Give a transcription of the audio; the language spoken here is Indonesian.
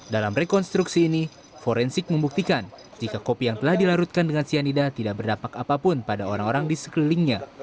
dalam rekonstruksi ini forensik membuktikan jika kopi yang telah dilarutkan dengan cyanida tidak berdampak apapun pada orang orang di sekelilingnya